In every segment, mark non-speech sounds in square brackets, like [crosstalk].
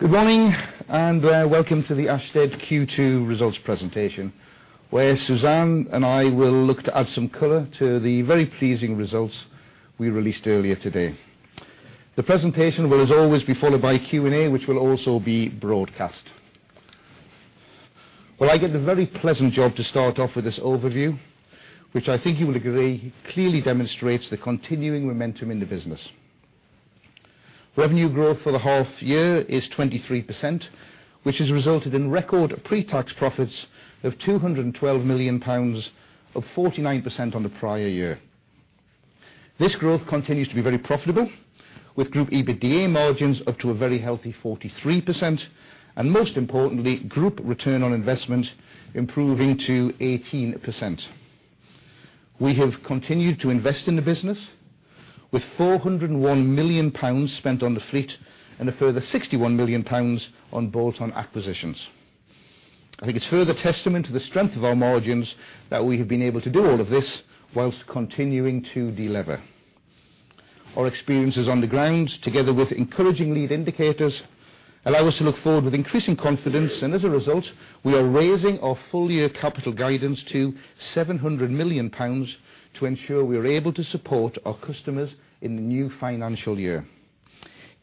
Good morning, and welcome to the Ashtead Q2 results presentation, where Suzanne and I will look to add some color to the very pleasing results we released earlier today. The presentation will, as always, be followed by a Q&A, which will also be broadcast. I get the very pleasant job to start off with this overview, which I think you will agree, clearly demonstrates the continuing momentum in the business. Revenue growth for the half year is 23%, which has resulted in record pretax profits of 212 million pounds, up 49% on the prior year. This growth continues to be very profitable, with group EBITDA margins up to a very healthy 43%, and most importantly, group ROI improving to 18%. We have continued to invest in the business with 401 million pounds spent on the fleet and a further 61 million pounds on bolt-on acquisitions. I think it's further testament to the strength of our margins that we have been able to do all of this whilst continuing to de-lever. Our experiences on the ground, together with encouraging lead indicators, allow us to look forward with increasing confidence. As a result, we are raising our full-year capital guidance to 700 million pounds to ensure we are able to support our customers in the new financial year.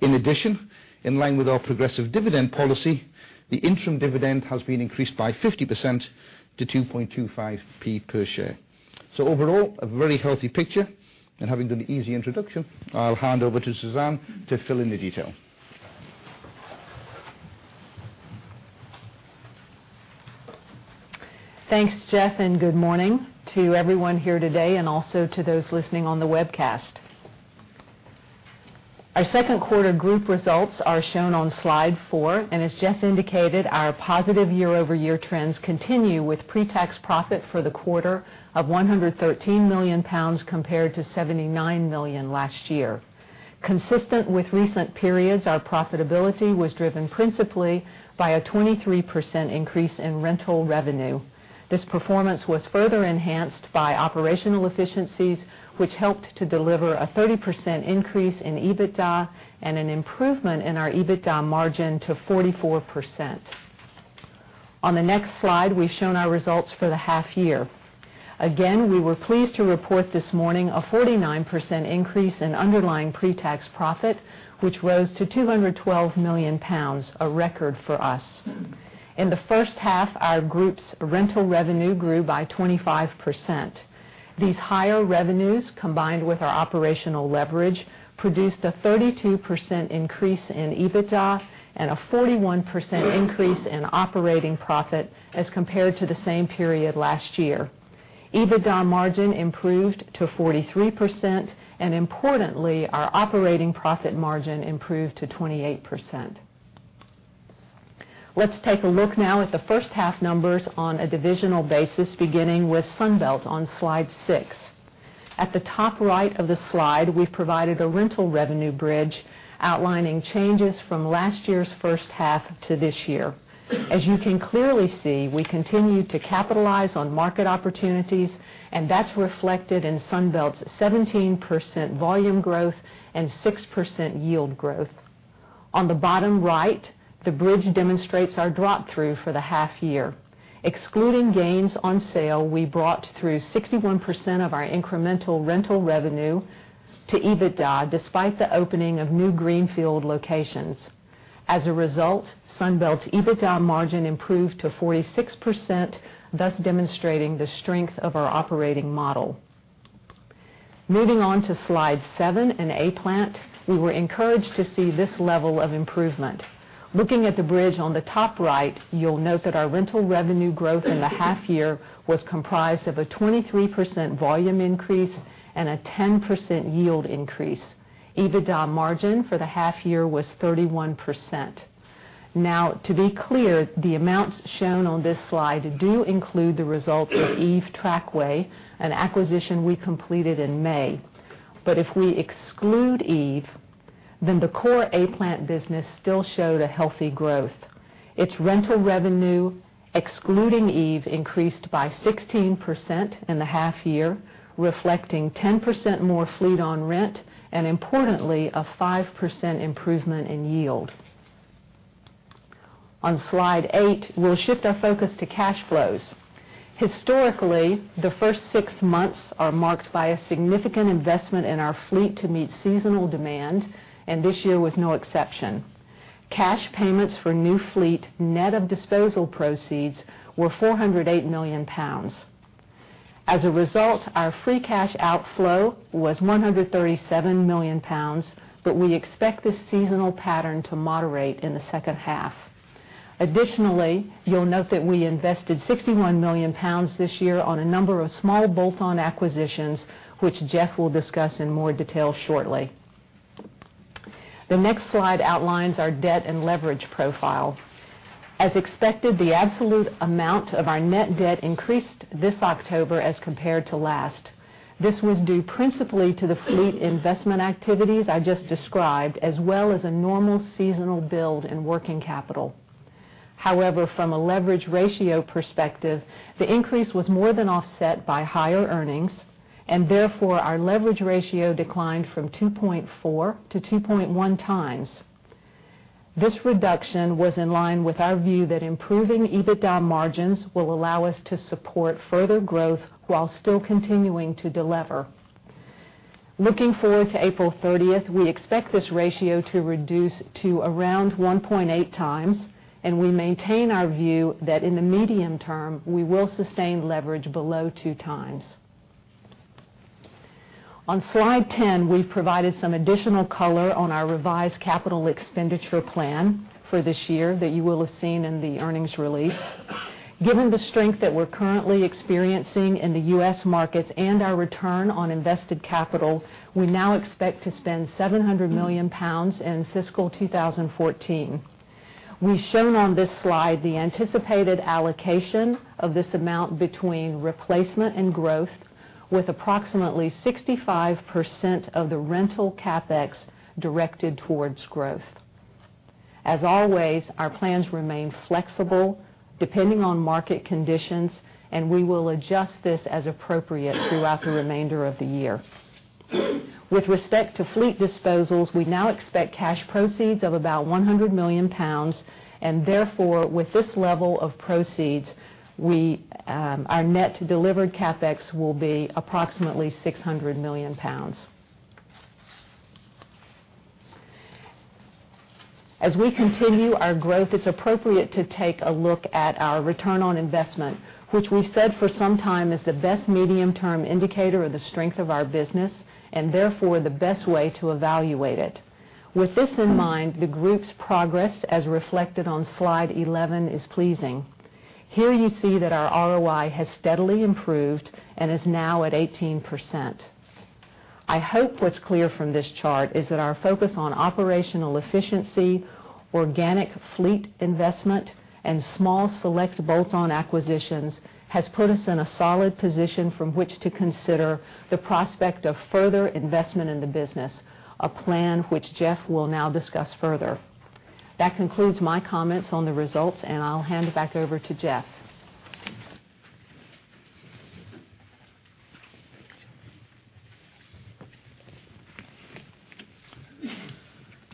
In addition, in line with our progressive dividend policy, the interim dividend has been increased by 50% to 2.25p per share. Overall, a very healthy picture, and having done the easy introduction, I'll hand over to Suzanne to fill in the detail. Thanks, Geoff, and good morning to everyone here today, and also to those listening on the webcast. Our second quarter group results are shown on slide four, and as Geoff indicated, our positive year-over-year trends continue with pretax profit for the quarter of 113 million pounds compared to 79 million last year. Consistent with recent periods, our profitability was driven principally by a 23% increase in rental revenue. This performance was further enhanced by operational efficiencies, which helped to deliver a 30% increase in EBITDA and an improvement in our EBITDA margin to 44%. On the next slide, we've shown our results for the half year. Again, we were pleased to report this morning a 49% increase in underlying pretax profit, which rose to 212 million pounds, a record for us. In the first half, our group's rental revenue grew by 25%. These higher revenues, combined with our operational leverage, produced a 32% increase in EBITDA and a 41% increase in operating profit as compared to the same period last year. EBITDA margin improved to 43%, and importantly, our operating profit margin improved to 28%. Let's take a look now at the first half numbers on a divisional basis, beginning with Sunbelt on slide six. At the top right of the slide, we've provided a rental revenue bridge outlining changes from last year's first half to this year. As you can clearly see, we continue to capitalize on market opportunities, and that's reflected in Sunbelt's 17% volume growth and 6% yield growth. On the bottom right, the bridge demonstrates our Drop-through for the half year. Excluding gains on sale, we brought through 61% of our incremental rental revenue to EBITDA, despite the opening of new Greenfield locations. As a result, Sunbelt's EBITDA margin improved to 46%, thus demonstrating the strength of our operating model. Moving on to slide seven and A-Plant, we were encouraged to see this level of improvement. Looking at the bridge on the top right, you'll note that our rental revenue growth in the half year was comprised of a 23% volume increase and a 10% yield increase. EBITDA margin for the half year was 31%. Now, to be clear, the amounts shown on this slide do include the results of Eve Trakway, an acquisition we completed in May. But if we exclude Eve, then the core A-Plant business still showed a healthy growth. Its rental revenue, excluding Eve, increased by 16% in the half year, reflecting 10% more fleet on rent, and importantly, a 5% improvement in yield. On slide eight, we'll shift our focus to cash flows. Historically, the first six months are marked by a significant investment in our fleet to meet seasonal demand, and this year was no exception. Cash payments for new fleet, net of disposal proceeds, were 408 million pounds. As a result, our free cash outflow was 137 million pounds, but we expect this seasonal pattern to moderate in the second half. Additionally, you'll note that we invested 61 million pounds this year on a number of small bolt-on acquisitions, which Geoff will discuss in more detail shortly. The next slide outlines our debt and leverage profile. As expected, the absolute amount of our net debt increased this October as compared to last. This was due principally to the fleet investment activities I just described, as well as a normal seasonal build in working capital. However, from a leverage ratio perspective, the increase was more than offset by higher earnings, and therefore, our leverage ratio declined from 2.4 to 2.1 times. This reduction was in line with our view that improving EBITDA margins will allow us to support further growth while still continuing to delever. Looking forward to April 30th, we expect this ratio to reduce to around 1.8 times, and we maintain our view that in the medium term, we will sustain leverage below two times. On slide 10, we've provided some additional color on our revised CapEx plan for this year that you will have seen in the earnings release. Given the strength that we're currently experiencing in the U.S. markets and our ROI, we now expect to spend 700 million pounds in fiscal 2014. We've shown on this slide the anticipated allocation of this amount between replacement and growth, with approximately 65% of the rental CapEx directed towards growth. As always, our plans remain flexible, depending on market conditions, and we will adjust this as appropriate throughout the remainder of the year. With respect to fleet disposals, we now expect cash proceeds of about 100 million pounds, and therefore, with this level of proceeds, our net delivered CapEx will be approximately 600 million pounds. As we continue our growth, it's appropriate to take a look at our return on investment, which we've said for some time is the best medium-term indicator of the strength of our business, and therefore, the best way to evaluate it. With this in mind, the group's progress, as reflected on Slide 11, is pleasing. Here you see that our ROI has steadily improved and is now at 18%. I hope what's clear from this chart is that our focus on operational efficiency, organic fleet investment, and small select bolt-on acquisitions has put us in a solid position from which to consider the prospect of further investment in the business, a plan which Geoff will now discuss further. That concludes my comments on the results, and I'll hand it back over to Geoff.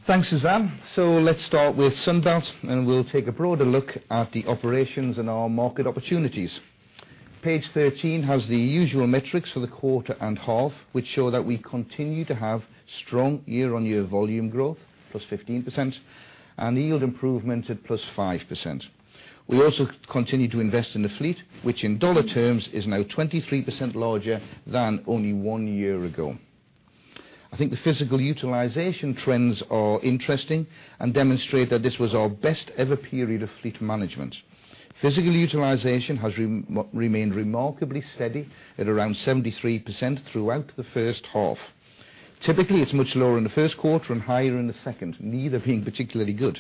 Thanks, Suzanne. Let's start with Sunbelt, we'll take a broader look at the operations and our market opportunities. Page 13 has the usual metrics for the quarter and half, which show that we continue to have strong year-on-year volume growth, +15%, and yield improvement at +5%. We also continue to invest in the fleet, which in dollar terms is now 23% larger than only one year ago. I think the physical utilization trends are interesting and demonstrate that this was our best ever period of fleet management. Physical utilization has remained remarkably steady at around 73% throughout the first half. Typically, it's much lower in the first quarter and higher in the second, neither being particularly good.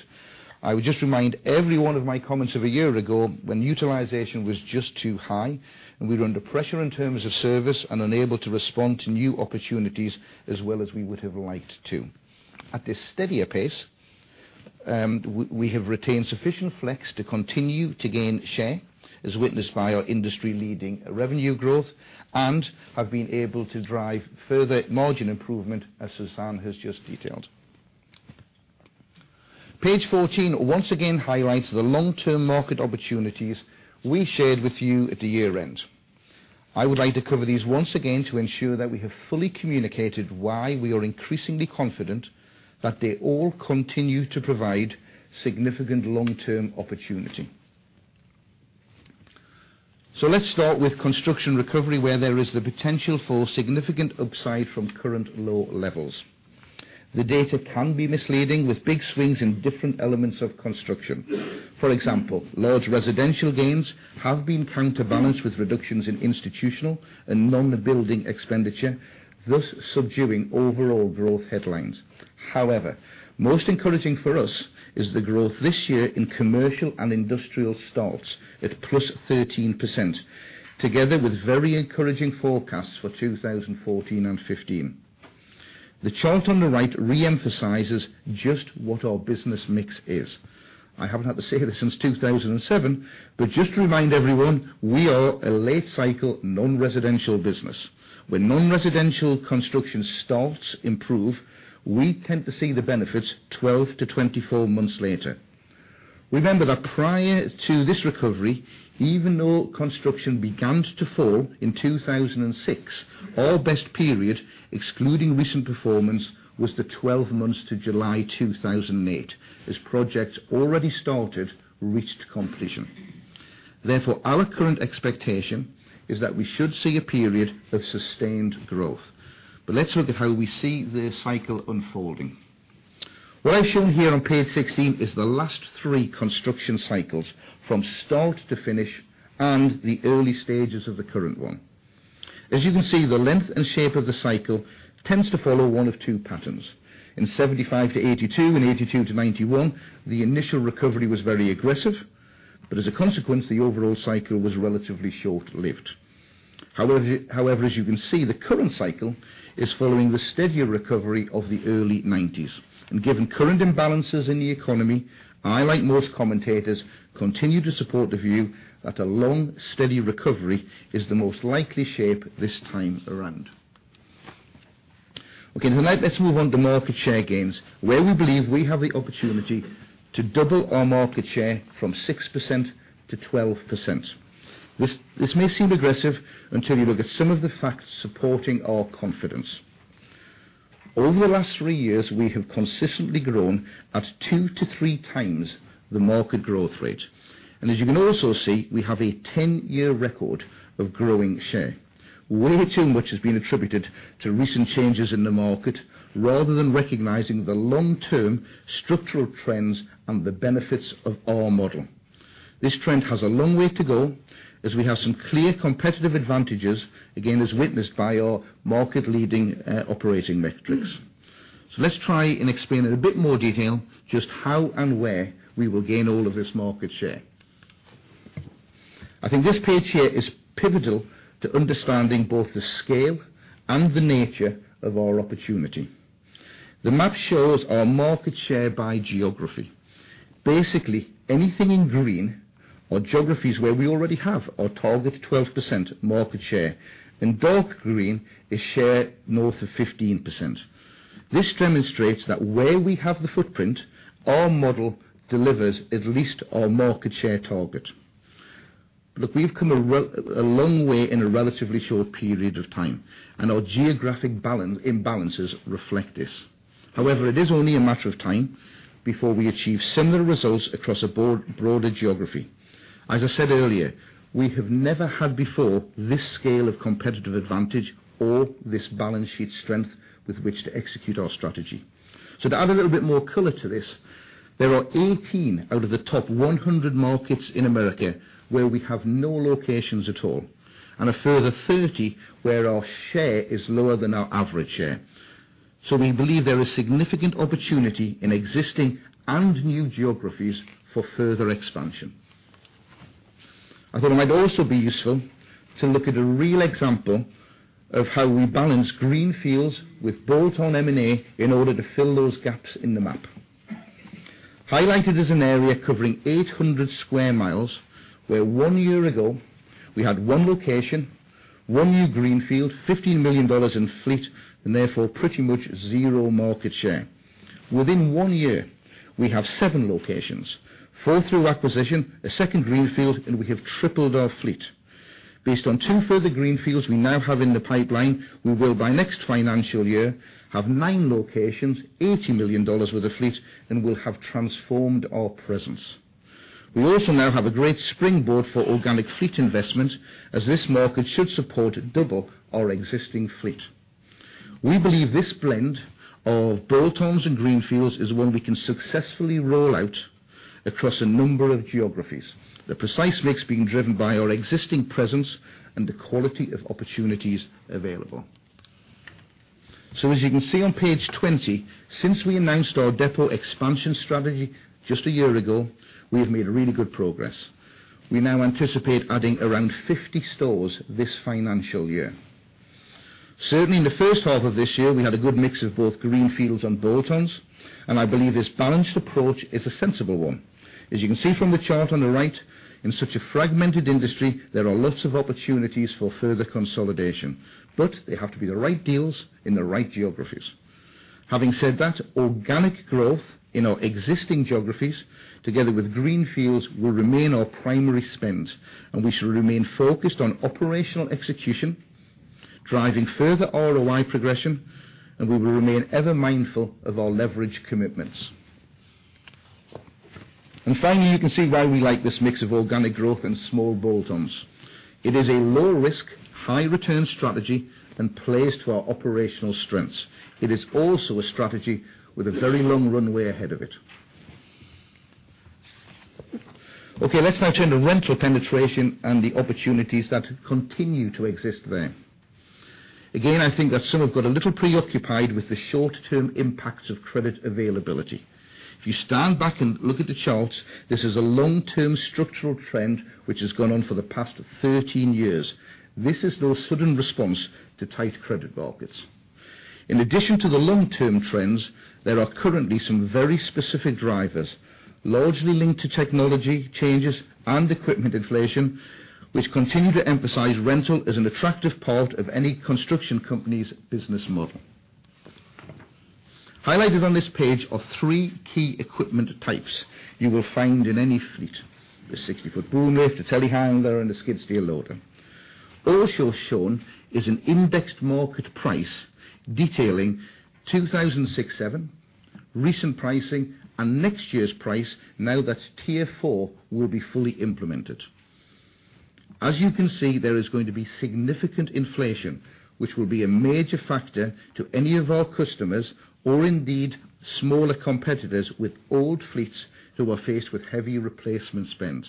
I would just remind everyone of my comments of one year ago when utilization was just too high, and we were under pressure in terms of service and unable to respond to new opportunities as well as we would have liked to. At this steadier pace, we have retained sufficient flex to continue to gain share, as witnessed by our industry-leading revenue growth, and have been able to drive further margin improvement, as Suzanne has just detailed. Page 14 once again highlights the long-term market opportunities we shared with you at the year-end. I would like to cover these once again to ensure that we have fully communicated why we are increasingly confident that they all continue to provide significant long-term opportunity. Let's start with construction recovery, where there is the potential for significant upside from current low levels. The data can be misleading with big swings in different elements of construction. For example, large residential gains have been counterbalanced with reductions in institutional and non-building expenditure, thus subduing overall growth headlines. However, most encouraging for us is the growth this year in commercial and industrial starts at +13%, together with very encouraging forecasts for 2014 and 2015. The chart on the right re-emphasizes just what our business mix is. I haven't had to say this since 2007, but just to remind everyone, we are a late-cycle, non-residential business. When non-residential construction starts improve, we tend to see the benefits 12-24 months later. Remember that prior to this recovery, even though construction began to fall in 2006, our best period, excluding recent performance, was the 12 months to July 2008, as projects already started reached completion. Therefore, our current expectation is that we should see a period of sustained growth. Let's look at how we see this cycle unfolding. What I've shown here on page 16 is the last three construction cycles from start to finish and the early stages of the current one. As you can see, the length and shape of the cycle tends to follow one of two patterns. In 1975 to 1982 and 1982 to 1991, the initial recovery was very aggressive, but as a consequence, the overall cycle was relatively short-lived. However, as you can see, the current cycle is following the steadier recovery of the early 1990s. Given current imbalances in the economy, I, like most commentators, continue to support the view that a long, steady recovery is the most likely shape this time around. Okay. Now let's move on to market share gains, where we believe we have the opportunity to double our market share from 6% to 12%. This may seem aggressive until you look at some of the facts supporting our confidence. Over the last three years, we have consistently grown at two to three times the market growth rate. As you can also see, we have a 10-year record of growing share, way too much has been attributed to recent changes in the market, rather than recognizing the long-term structural trends and the benefits of our model. This trend has a long way to go as we have some clear competitive advantages, again, as witnessed by our market-leading operating metrics. Let's try and explain in a bit more detail just how and where we will gain all of this market share. I think this page here is pivotal to understanding both the scale and the nature of our opportunity. The map shows our market share by geography. Basically, anything in green are geographies where we already have our target 12% market share, and dark green is share north of 15%. This demonstrates that where we have the footprint, our model delivers at least our market share target. Look, we've come a long way in a relatively short period of time, and our geographic imbalances reflect this. However, it is only a matter of time before we achieve similar results across a broader geography. As I said earlier, we have never had before this scale of competitive advantage or this balance sheet strength with which to execute our strategy. To add a little bit more color to this, there are 18 out of the top 100 markets in America where we have no locations at all, and a further 30 where our share is lower than our average share. We believe there is significant opportunity in existing and new geographies for further expansion. I thought it might also be useful to look at a real example of how we balance greenfields with bolt-on M&A in order to fill those gaps in the map. Highlighted is an area covering 800 sq mi, where one year ago we had one location, one new greenfield, $15 million in fleet, and therefore pretty much zero market share. Within one year, we have seven locations, four through acquisition, a second greenfield, and we have tripled our fleet. Based on two further greenfields we now have in the pipeline, we will by next financial year have nine locations, GBP 80 million worth of fleet, and will have transformed our presence. We also now have a great springboard for organic fleet investment as this market should support double our existing fleet. We believe this blend of bolt-ons and greenfields is one we can successfully roll out across a number of geographies, the precise mix being driven by our existing presence and the quality of opportunities available. As you can see on page 20, since we announced our depot expansion strategy just a year ago, we have made really good progress. We now anticipate adding around 50 stores this financial year. Certainly in the first half of this year, we had a good mix of both greenfields and bolt-ons, I believe this balanced approach is a sensible one. As you can see from the chart on the right, in such a fragmented industry, there are lots of opportunities for further consolidation, they have to be the right deals in the right geographies. Having said that, organic growth in our existing geographies together with greenfields will remain our primary spend, we shall remain focused on operational execution, driving further ROI progression, we will remain ever mindful of our leverage commitments. Finally, you can see why we like this mix of organic growth and small bolt-ons. It is a low-risk, high-return strategy and plays to our operational strengths. It is also a strategy with a very long runway ahead of it. Let's now turn to rental penetration and the opportunities that continue to exist there. Again, I think that some have got a little preoccupied with the short-term impacts of credit availability. If you stand back and look at the charts, this is a long-term structural trend which has gone on for the past 13 years. This is no sudden response to tight credit markets. In addition to the long-term trends, there are currently some very specific drivers, largely linked to technology changes and equipment inflation, which continue to emphasize rental as an attractive part of any construction company's business model. Highlighted on this page are three key equipment types you will find in any fleet: the 60-foot boom lift, the telehandler, and the skid steer loader. Also shown is an indexed market price detailing 2006-2007, recent pricing, and next year's price now that Tier 4 will be fully implemented. As you can see, there is going to be significant inflation, which will be a major factor to any of our customers or indeed smaller competitors with old fleets who are faced with heavy replacement spend.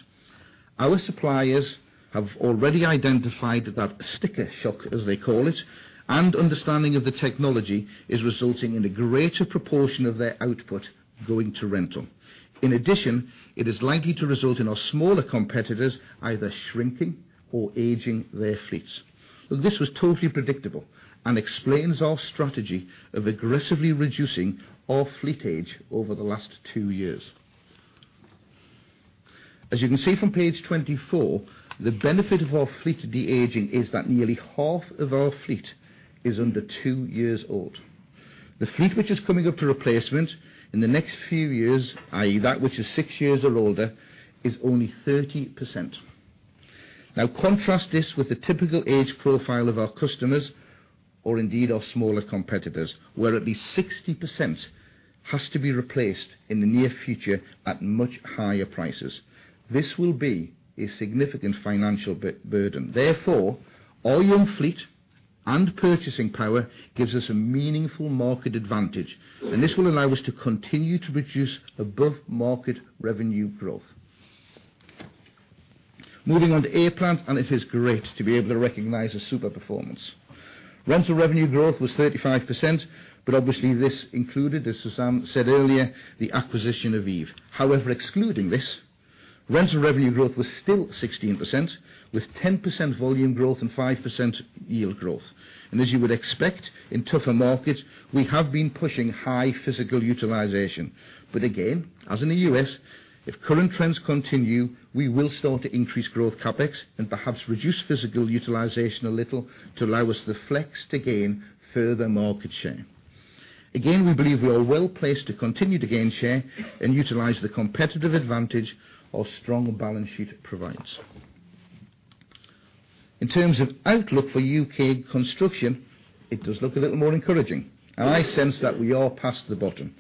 Our suppliers have already identified that sticker shock, as they call it, and understanding of the technology is resulting in a greater proportion of their output going to rental. In addition, it is likely to result in our smaller competitors either shrinking or aging their fleets. This was totally predictable and explains our strategy of aggressively reducing our fleet age over the last two years. As you can see from page 24, the benefit of our fleet de-aging is that nearly half of our fleet is under two years old. The fleet which is coming up for replacement in the next few years, i.e., that which is six years or older, is only 30%. Contrast this with the typical age profile of our customers, or indeed our smaller competitors, where at least 60% has to be replaced in the near future at much higher prices. This will be a significant financial burden. Our young fleet and purchasing power gives us a meaningful market advantage, and this will allow us to continue to produce above-market revenue growth. Moving on to A-Plant, it is great to be able to recognize a super performance. Rental revenue growth was 35%, but obviously this included, as Suzanne said earlier, the acquisition of Eve. Excluding this, rental revenue growth was still 16%, with 10% volume growth and 5% yield growth. As you would expect in tougher markets, we have been pushing high physical utilization. Again, as in the U.S., if current trends continue, we will start to increase growth CapEx and perhaps reduce physical utilization a little to allow us the flex to gain further market share. Again, we believe we are well-placed to continue to gain share and utilize the competitive advantage our strong balance sheet provides. In terms of outlook for U.K. construction, it does look a little more encouraging. I sense that we are past the bottom.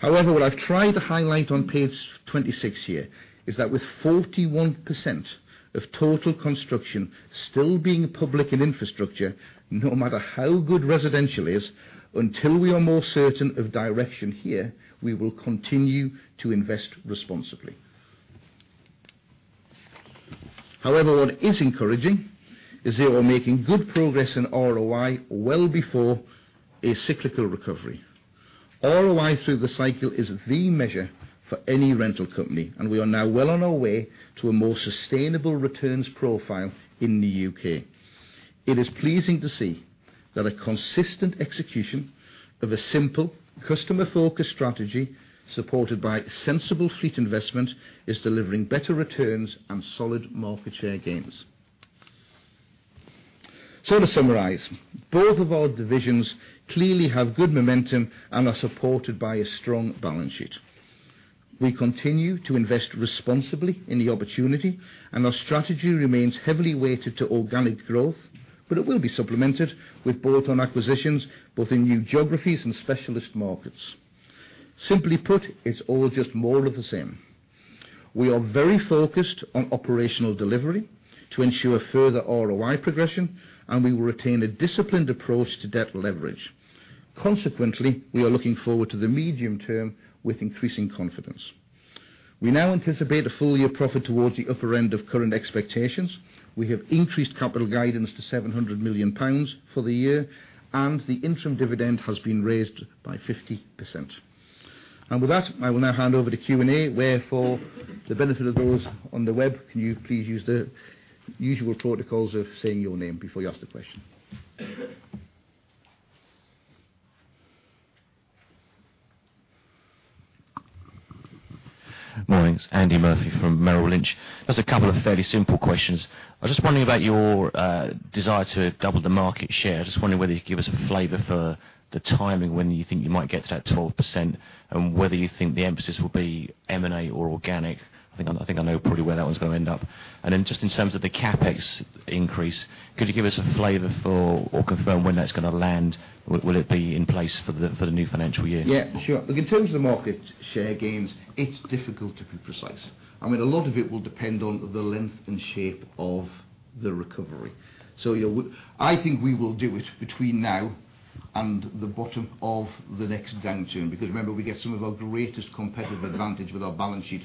What I've tried to highlight on page 26 here is that with 41% of total construction still being public and infrastructure, no matter how good residential is, until we are more certain of direction here, we will continue to invest responsibly. What is encouraging is that we're making good progress in ROI well before a cyclical recovery. ROI through the cycle is the measure for any rental company, we are now well on our way to a more sustainable returns profile in the U.K. It is pleasing to see that a consistent execution of a simple, customer-focused strategy supported by sensible fleet investment is delivering better returns and solid market share gains. To summarize, both of our divisions clearly have good momentum and are supported by a strong balance sheet. We continue to invest responsibly in the opportunity, our strategy remains heavily weighted to organic growth, it will be supplemented with bolt-on acquisitions, both in new geographies and specialist markets. Simply put, it's all just more of the same. We are very focused on operational delivery to ensure further ROI progression, we will retain a disciplined approach to debt leverage. We are looking forward to the medium term with increasing confidence. We now anticipate a full-year profit towards the upper end of current expectations. We have increased capital guidance to 700 million pounds for the year, the interim dividend has been raised by 50%. With that, I will now hand over to Q&A, where for the benefit of those on the web, can you please use the usual protocols of saying your name before you ask the question? Morning. It's Andy Murphy from Merrill Lynch. A couple of fairly simple questions. Wondering about your desire to double the market share. Whether you could give us a flavor for the timing when you think you might get to that 12%, and whether you think the emphasis will be M&A or organic. I think I know probably where that one's going to end up. In terms of the CapEx increase, could you give us a flavor for or confirm when that's going to land? Will it be in place for the new financial year? Yeah, sure. In terms of the market share gains, it's difficult to be precise. A lot of it will depend on the length and shape of the recovery. I think we will do it between now and the bottom of the next downturn, because remember, we get some of our greatest competitive advantage with our balance sheet.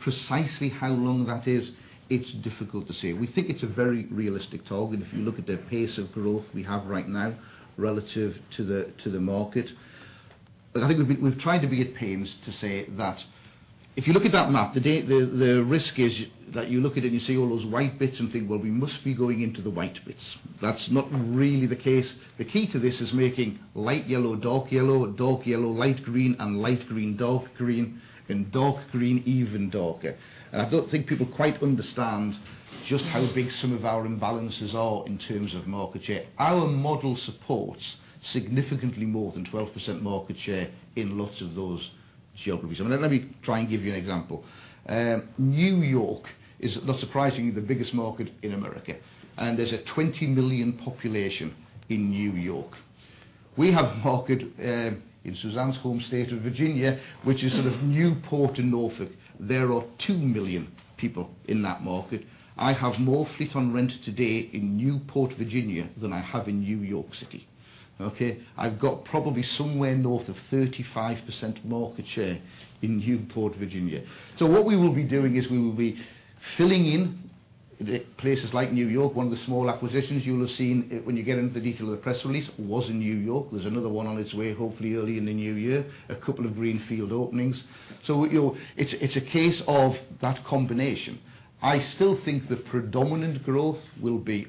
Precisely how long that is, it's difficult to say. We think it's a very realistic target if you look at the pace of growth we have right now relative to the market. I think we've tried to be at pains to say that if you look at that map, the risk is that you look at it and you see all those white bits and think, "We must be going into the white bits." That's not really the case. The key to this is making light yellow dark yellow, dark yellow light green, and light green dark green, and dark green even darker. I don't think people quite understand just how big some of our imbalances are in terms of market share. Our model supports significantly more than 12% market share in lots of those geographies. Let me try and give you an example. New York is, not surprisingly, the biggest market in America, and there's a 20 million population in New York. We have a market in Suzanne's home state of Virginia, which is sort of Newport in Norfolk. There are 2 million people in that market. I have more fleet on rent today in Newport, Virginia, than I have in New York City. Okay. I've got probably somewhere north of 35% market share in Newport, Virginia. What we will be doing is we will be filling in places like New York. One of the small acquisitions you'll have seen when you get into the detail of the press release was in New York. There's another one on its way, hopefully early in the new year. A couple of greenfield openings. It's a case of that combination. I still think the predominant growth will be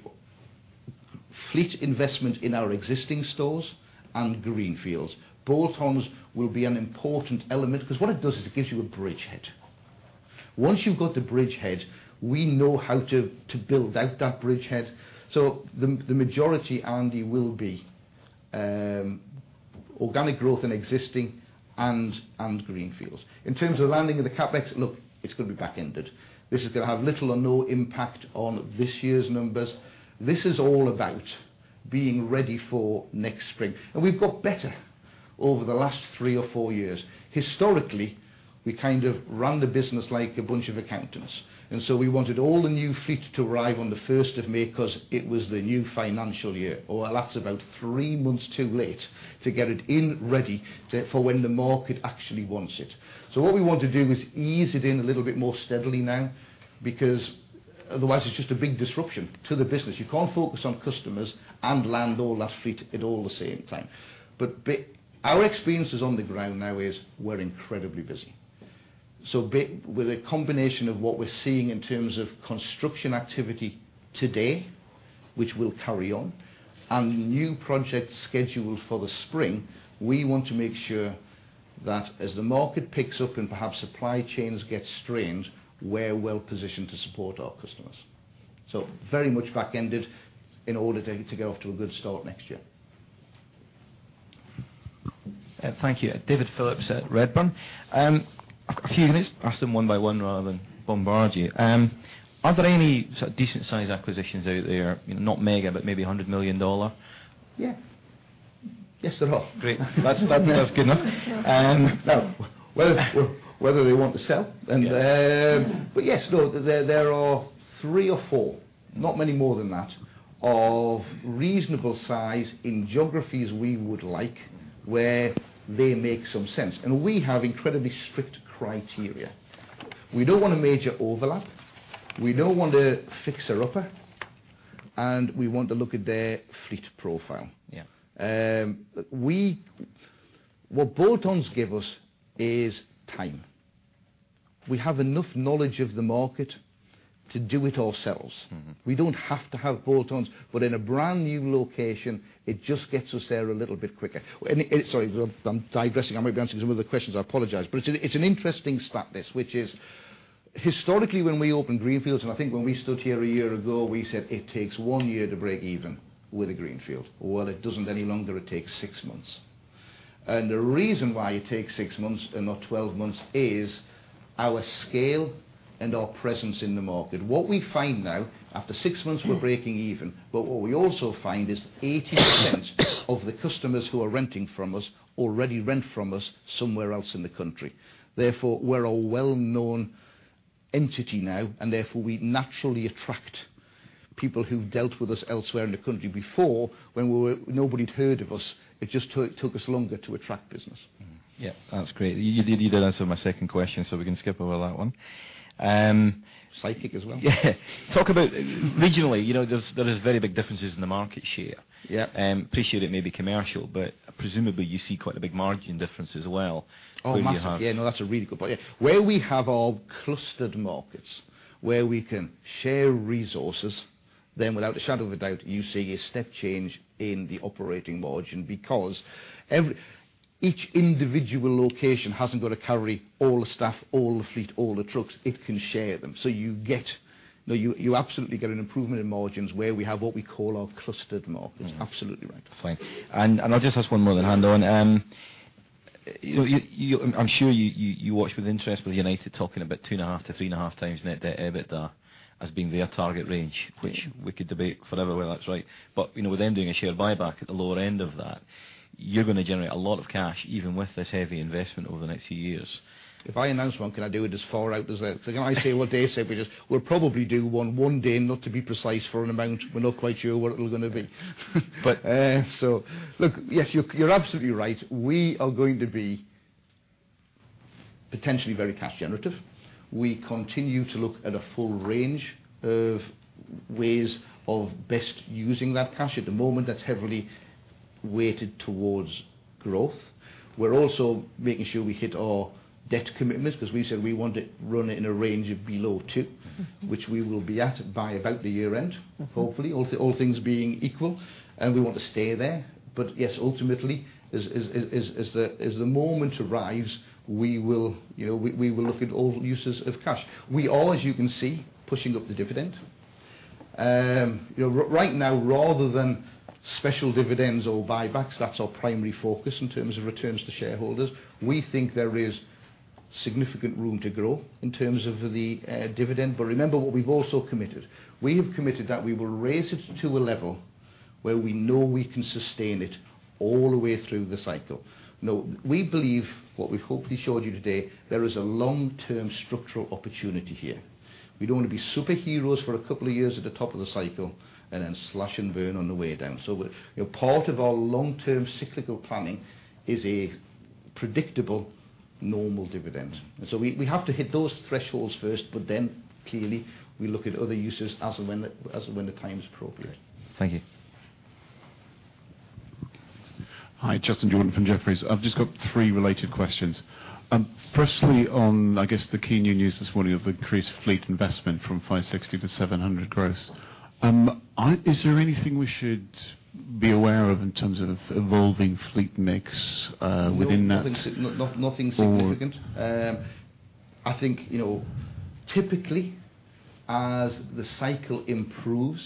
Fleet investment in our existing stores and greenfields. Bolt-ons will be an important element because what it does is it gives you a bridge head. Once you've got the bridge head, we know how to build out that bridge head. The majority, Andy, will be organic growth in existing and greenfields. In terms of landing of the CapEx, it's going to be back-ended. This is going to have little or no impact on this year's numbers. This is all about being ready for next spring. We've got better over the last 3 or 4 years. Historically, we kind of ran the business like a bunch of accountants. We wanted all the new fleet to arrive on the 1st of May because it was the new financial year. That's about three months too late to get it in ready for when the market actually wants it. What we want to do is ease it in a little bit more steadily now, because otherwise it's just a big disruption to the business. You can't focus on customers and land all that fleet at all the same time. Our experiences on the ground now is we're incredibly busy. With a combination of what we're seeing in terms of construction activity today, which will carry on, and new projects scheduled for the spring, we want to make sure that as the market picks up and perhaps supply chains get strained, we're well positioned to support our customers. Very much back-ended in order to get off to a good start next year. Thank you. David Phillips at Redburn. I've got a few of these. Ask them one by one rather than bombard you. Are there any decent size acquisitions out there? Not mega, but maybe GBP 100 million? Yeah. Yes, there are. Great. That's good enough. Whether they want to sell. Yeah. Yes, no, there are three or four, not many more than that, of reasonable size in geographies we would like, where they make some sense. We have incredibly strict criteria. We don't want a major overlap, we don't want a fixer-upper, and we want to look at their fleet profile. Yeah. What bolt-ons give us is time. We have enough knowledge of the market to do it ourselves. We don't have to have bolt-ons, but in a brand-new location, it just gets us there a little bit quicker. Sorry, I'm digressing. I might be answering some other questions. I apologize. It's an interesting stat, this, which is historically, when we opened greenfields, and I think when we stood here a year ago, we said it takes one year to break even with a greenfield. Well, it doesn't any longer. It takes six months. The reason why it takes six months and not 12 months is our scale and our presence in the market. What we find now, after six months, we're breaking even, but what we also find is 80% of the customers who are renting from us already rent from us somewhere else in the country. Therefore, we're a well-known entity now, and therefore, we naturally attract people who've dealt with us elsewhere in the country before when nobody'd heard of us. It just took us longer to attract business. Mm-hmm. Yeah. That's great. You did answer my second question, we can skip over that one. Psychic as well. Yeah. Talk about regionally, there's very big differences in the market share. Yeah. Appreciate it may be commercial, presumably you see quite a big margin difference as well where you have- Oh, massive. Yeah, no, that's a really good point. Yeah. Where we have our clustered markets where we can share resources, without a shadow of a doubt, you see a step change in the operating margin because each individual location hasn't got to carry all the staff, all the fleet, all the trucks, it can share them. You absolutely get an improvement in margins where we have what we call our clustered markets. Absolutely right. Fine. I'll just ask one more. [inaudible] I'm sure you watch with interest with United talking about 2.5x-3.5x net debt EBITDA as being their target range, which we could debate forever whether that's right. With them doing a share buyback at the lower end of that, you're going to generate a lot of cash even with this heavy investment over the next few years. If I announce one, can I do it as far out as that? I say what they say, we'll probably do one day, not to be precise for an amount. We're not quite sure what it was going to be. Look, yes, you're absolutely right. We are going to be potentially very cash generative. We continue to look at a full range of ways of best using that cash. At the moment, that's heavily weighted towards growth. We're also making sure we hit our debt commitments because we said we want to run it in a range of below 2, which we will be at by about the year-end, hopefully, all things being equal, and we want to stay there. Yes, ultimately, as the moment arrives, we will look at all uses of cash. We are, as you can see, pushing up the dividend. Right now rather than special dividends or buybacks, that's our primary focus in terms of returns to shareholders. We think there is significant room to grow in terms of the dividend. Remember what we've also committed. We have committed that we will raise it to a level where we know we can sustain it all the way through the cycle. Now, we believe what we've hopefully showed you today, there is a long-term structural opportunity here. We don't want to be superheroes for a couple of years at the top of the cycle and then slash and burn on the way down. Part of our long-term cyclical planning is a predictable normal dividend. We have to hit those thresholds first, clearly we look at other uses as and when the time is appropriate. Great. Thank you. Hi, Justin Jordan from Jefferies. I've just got three related questions. Firstly on, I guess, the keen news this morning of increased fleet investment from 560 to 700 gross. Is there anything we should be aware of in terms of evolving fleet mix within that? No, nothing significant. I think, typically, as the cycle improves,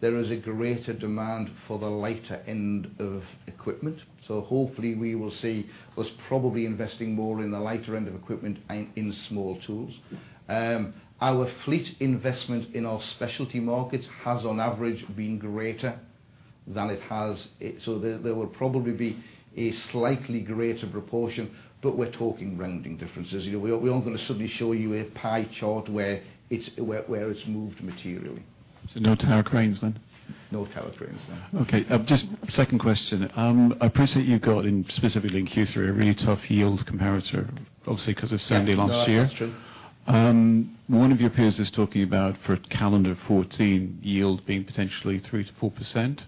there is a greater demand for the lighter end of equipment. Hopefully we will see us probably investing more in the lighter end of equipment and in small tools. Our fleet investment in our specialty markets has, on average, been greater than it has. There will probably be a slightly greater proportion, but we're talking rounding differences. We aren't going to suddenly show you a pie chart where it's moved materially. No Tower Cranes then? No Tower Cranes, no. Okay. Just second question. I appreciate you got in, specifically in Q3, a really tough yield comparator, obviously because of Sandy last year. Yes. No, that's true. One of your peers is talking about, for calendar 2014 yield being potentially 3%-4%.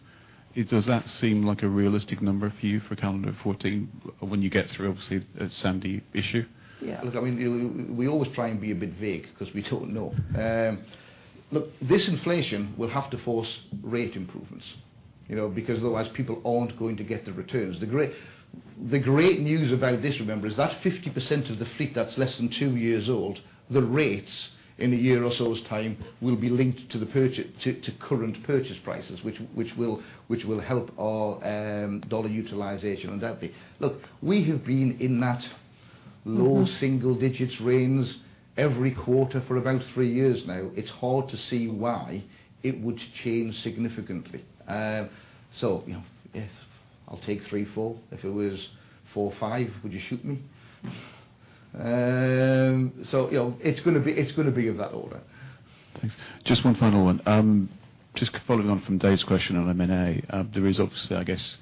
Does that seem like a realistic number for you for calendar 2014 when you get through, obviously, the Hurricane Sandy issue? Yeah. Look, we always try and be a bit vague because we don't know. Look, this inflation will have to force rate improvements. Otherwise people aren't going to get the returns. The great news about this, remember, is that 50% of the fleet that's less than two years old, the rates in a year or so's time will be linked to current purchase prices which will help our dollar utilization and that bit. Look, we have been in that low single digits range every quarter for about three years now. It's hard to see why it would change significantly. Yeah. I'll take three, four. If it was four or five, would you shoot me? It's going to be of that order. Thanks. Just one final one. Just following on from Dave's question on M&A. There is obviously, I guess,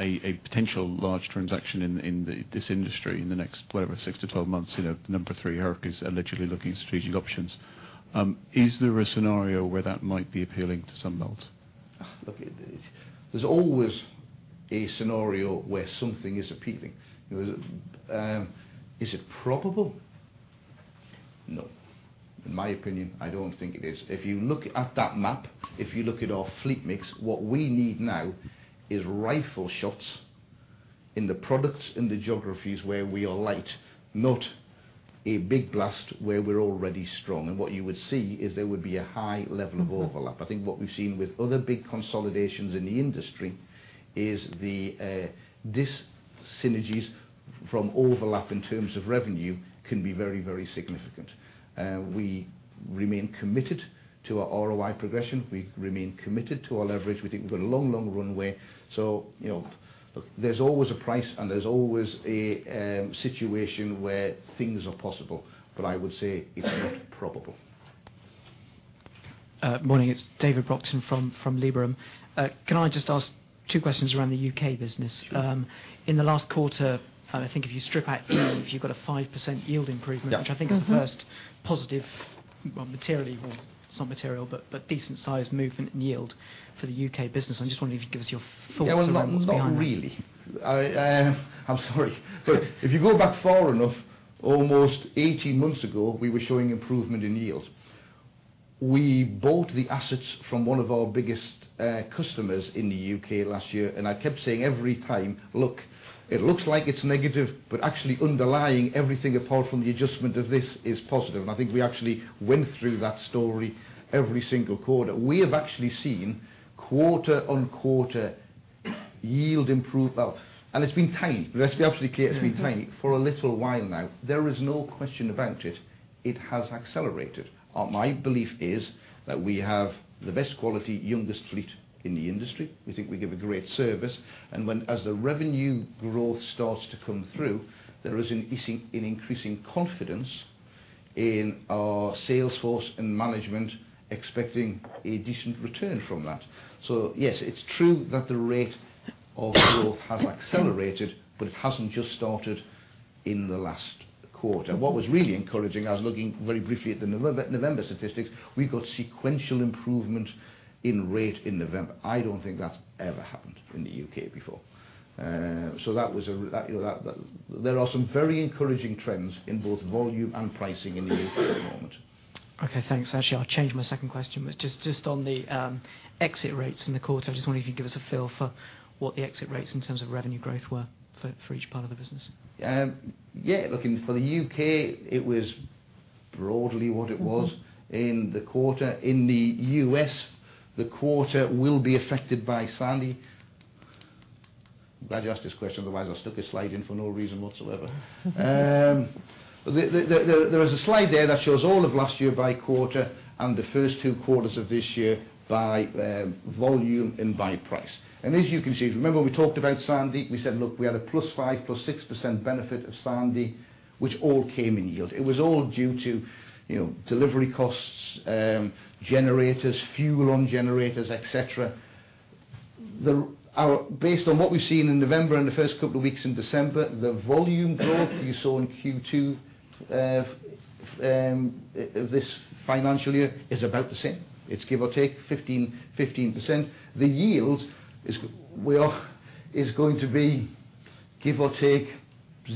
a potential large transaction in this industry in the next, whatever, 6-12 months. Number 3 Herc is allegedly looking at strategic options. Is there a scenario where that might be appealing to Sunbelt? There's always a scenario where something is appealing. Is it probable? No. In my opinion, I don't think it is. If you look at that map, if you look at our fleet mix, what we need now is rifle shots in the products, in the geographies where we are light, not a big blast where we're already strong. What you would see is there would be a high level of overlap. I think what we've seen with other big consolidations in the industry is the dyssynergies from overlap in terms of revenue can be very significant. We remain committed to our ROI progression. We remain committed to our leverage. We think we've got a long runway. Look, there's always a price, and there's always a situation where things are possible, but I would say it's not probable. Morning. It's David Broxson from Liberum. Can I just ask two questions around the U.K. business? Sure. In the last quarter, I think if you've got a 5% yield improvement- Yeah. which I think is the first positive, well, it's not material, but decent sized movement in yield for the U.K. business. I just wonder if you could give us your thoughts behind that. Yeah. Well, not really. I'm sorry. If you go back far enough, almost 18 months ago, we were showing improvement in yields. We bought the assets from one of our biggest customers in the U.K. last year. I kept saying every time, "Look, it looks like it's negative, but actually underlying everything apart from the adjustment of this is positive." I think we actually went through that story every single quarter. We have actually seen quarter-on-quarter yield improvement. It's been tiny. Let's be absolutely clear. It's been tiny for a little while now. There is no question about it. It has accelerated. My belief is that we have the best quality, youngest fleet in the industry. We think we give a great service. As the revenue growth starts to come through, there is an increasing confidence in our sales force and management expecting a decent return from that. Yes, it's true that the rate of growth has accelerated, but it hasn't just started in the last quarter. What was really encouraging, I was looking very briefly at the November statistics. We got sequential improvement in rate in November. I don't think that's ever happened in the U.K. before. There are some very encouraging trends in both volume and pricing in the U.K. at the moment. Okay, thanks. Actually, I'll change my second question, but just on the exit rates in the quarter, I just wonder if you could give us a feel for what the exit rates in terms of revenue growth were for each part of the business. Yeah. Look, for the U.K., it was broadly what it was in the quarter. In the U.S., the quarter will be affected by Hurricane Sandy. I'm glad you asked this question, otherwise I would stick this slide in for no reason whatsoever. There is a slide there that shows all of last year by quarter, the first two quarters of this year by volume and by price. As you can see, remember we talked about Hurricane Sandy. We said, look, we had a +5%, +6% benefit of Hurricane Sandy, which all came in yield. It was all due to delivery costs, generators, fuel on generators, et cetera. Based on what we've seen in November and the first couple of weeks in December, the volume growth you saw in Q2 of this financial year is about the same. It's give or take 15%. The yield is going to be give or take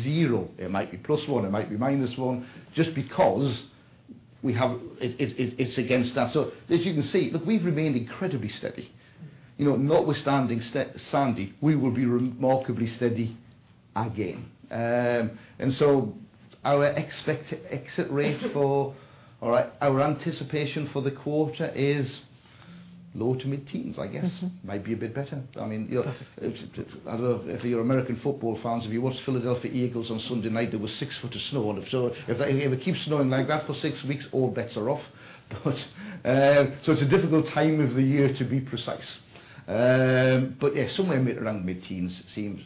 zero. It might be plus one, it might be minus one, just because it is against that. As you can see, look, we have remained incredibly steady. Notwithstanding Hurricane Sandy, we will be remarkably steady again. Our anticipation for the quarter is low-to-mid teens, I guess. Might be a bit better. For your American football fans, if you watched Philadelphia Eagles on Sunday night, there was six foot of snow on the field. If it keeps snowing like that for six weeks, all bets are off. It is a difficult time of the year to be precise. Yeah, somewhere around mid-teens it seems.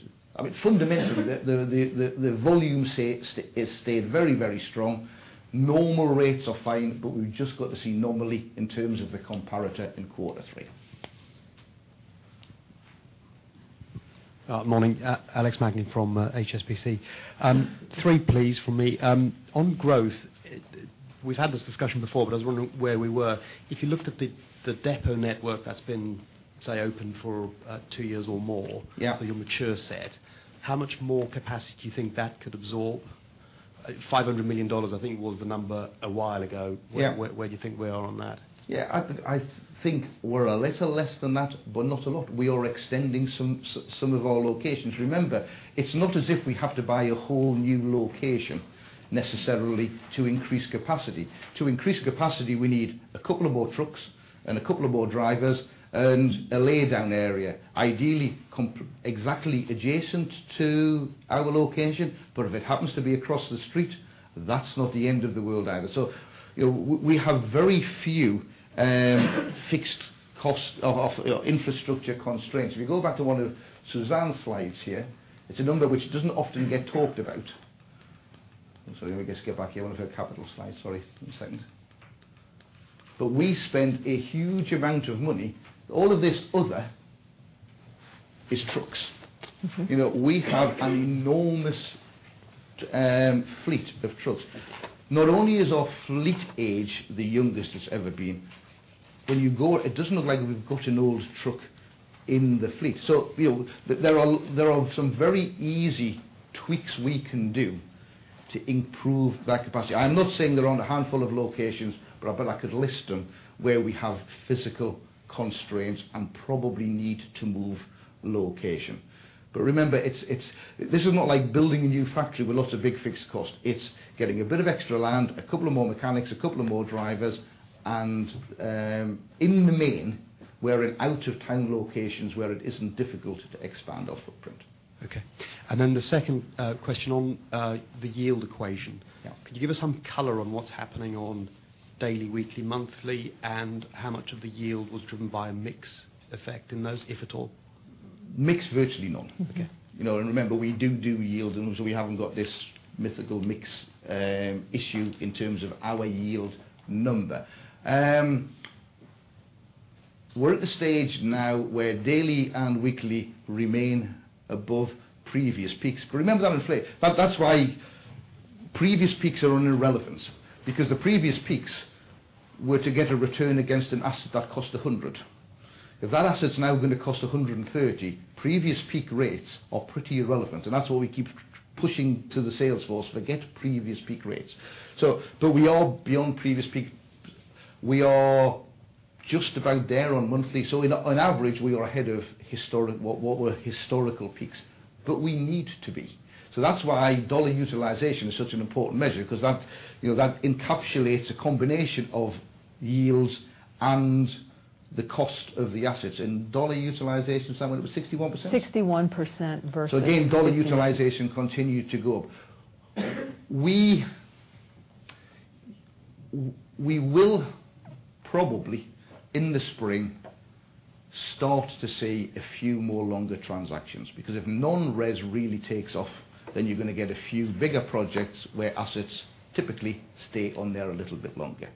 Fundamentally, the volume has stayed very strong. Normal rates are fine, but we have just got to see normally in terms of the comparator in quarter three. Morning. Alex Magni from HSBC. Three please, from me. On growth, we have had this discussion before, but I was wondering where we were. If you looked at the depot network that has been, say, open for two years or more Yeah Your mature set, how much more capacity do you think that could absorb? $500 million I think was the number a while ago. Yeah. Where do you think we are on that? Yeah, I think we're a little less than that, not a lot. We are extending some of our locations. Remember, it's not as if we have to buy a whole new location necessarily to increase capacity. To increase capacity, we need a couple of more trucks and a couple of more drivers and a lay down area, ideally, exactly adjacent to our location. If it happens to be across the street, that's not the end of the world either. We have very few fixed cost of infrastructure constraints. If we go back to one of Suzanne's slides here, it's a number which doesn't often get talked about. I'm sorry, let me just get back here. One of her capital slides. Sorry, one second. We spend a huge amount of money. All of this other is trucks. We have an enormous fleet of trucks. Not only is our fleet age the youngest it's ever been. It doesn't look like we've got an old truck in the fleet. There are some very easy tweaks we can do to improve that capacity. I'm not saying there are only a handful of locations, but I bet I could list them where we have physical constraints and probably need to move location. Remember, this is not like building a new factory with lots of big fixed cost. It's getting a bit of extra land, a couple of more mechanics, a couple of more drivers and, in the main, we're in out-of-town locations where it isn't difficult to expand our footprint. Okay. The second question on the yield equation. Yeah. Could you give us some color on what's happening on daily, weekly, monthly, and how much of the yield was driven by a mix effect in those, if at all? Mix, virtually none. Okay. Remember, we do yield and obviously we haven't got this mythical mix issue in terms of our yield number. We're at the stage now where daily and weekly remain above previous peaks. Remember that inflate. That's why previous peaks are an irrelevance. Because the previous peaks were to get a return against an asset that cost 100. If that asset's now going to cost 130, previous peak rates are pretty irrelevant. That's what we keep pushing to the sales force. Forget previous peak rates. We are beyond previous peak. We are just about there on monthly. On average, we are ahead of what were historical peaks. We need to be. That's why dollar utilization is such an important measure because that encapsulates a combination of yields and the cost of the assets. Dollar utilization, Suzanne, was it 61%? 61% versus- Again, dollar utilization continued to go up. We will probably, in the spring, start to see a few more longer transactions, because if Non-res really takes off, then you're going to get a few bigger projects where assets typically stay on there a little bit longer.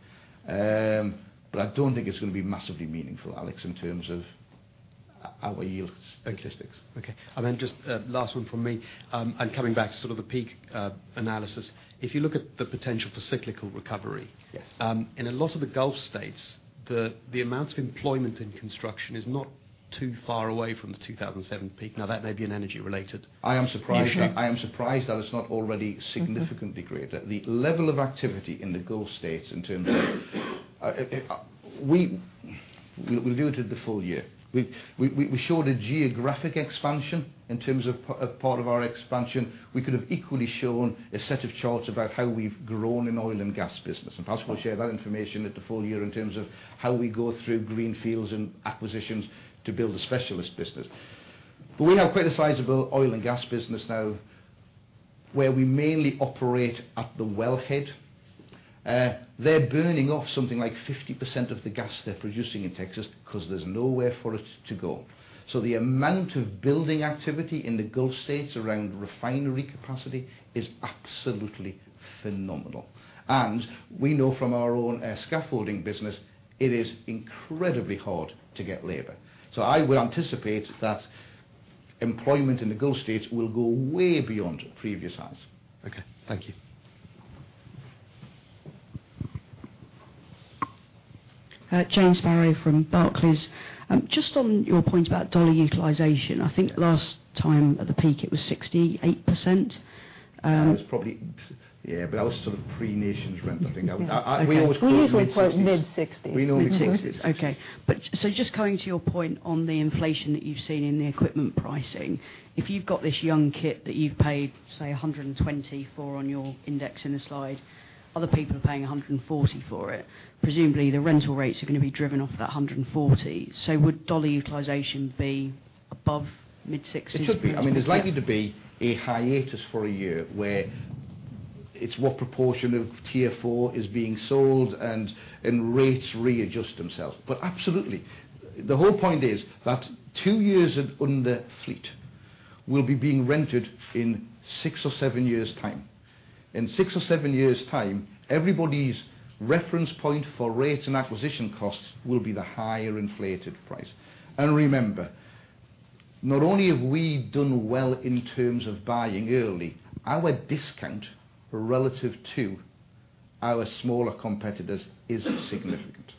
I don't think it's going to be massively meaningful, Alex, in terms of our yields statistics. Okay. Then just last one from me. Coming back to sort of the peak analysis. If you look at the potential for cyclical recovery. Yes in a lot of the Gulf States, the amount of employment in construction is not too far away from the 2007 peak. That may be energy related. I am surprised that it's not already significantly greater. The level of activity in the Gulf States in terms of We'll do it at the full year. We showed a geographic expansion in terms of part of our expansion. We could have equally shown a set of charts about how we've grown in Oil and Gas business, and perhaps we'll share that information at the full year in terms of how we go through Greenfield and acquisitions to build a specialist business. We have quite a sizable Oil and Gas business now where we mainly operate at the wellhead. They're burning off something like 50% of the gas they're producing in Texas because there's nowhere for it to go. The amount of building activity in the Gulf States around refinery capacity is absolutely phenomenal. We know from our own Scaffolding business, it is incredibly hard to get labor. I would anticipate that employment in the Gulf States will go way beyond previous highs. Okay. Thank you. Jane Sparrow from Barclays. Just on your point about dollar utilization, I think last time at the peak it was 68%? That was sort of pre-NationsRent, I think. We always quote mid-60s. We usually quote mid-60s. We normally quote mid-60s. Mid-60s. Okay. Just coming to your point on the inflation that you've seen in the equipment pricing, if you've got this young kit that you've paid, say, 120 for on your index in the slide, other people are paying 140 for it. Presumably, the rental rates are going to be driven off that 140. Would dollar utilization be above mid-60s? It should be. There's likely to be a hiatus for a year where it's what proportion of Tier 4 is being sold and rates readjust themselves. Absolutely. The whole point is that two years of under-fleet will be being rented in six or seven years' time. In six or seven years' time, everybody's reference point for rates and acquisition costs will be the higher inflated price. Remember, not only have we done well in terms of buying early, our discount relative to our smaller competitors is significant.